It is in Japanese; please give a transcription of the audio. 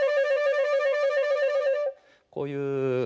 こういう。